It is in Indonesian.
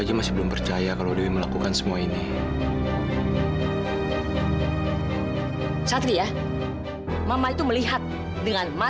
sampai jumpa di video selanjutnya